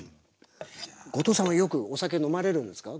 後藤さんはよくお酒飲まれるんですか？